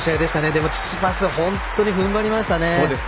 でもチチパス本当にふんばりましたね。